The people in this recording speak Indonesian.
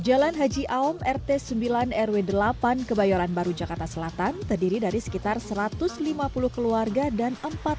jalan haji aom rt sembilan rw delapan kebayoran baru jakarta selatan terdiri dari sekitar satu ratus lima puluh keluarga dan